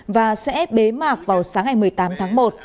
và sẽ bế mạc vào sáng ngày một mươi tám tháng một